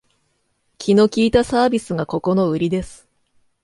気の利いたサービスがここのウリです